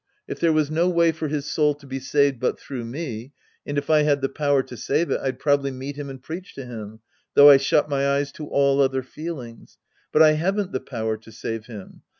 If there was no way for his soul to be saved but through me, and if I had the power to save it, I'd probably meet him and preach to him, though I shut my eyes to all other feelings. But I haven't the power to save him.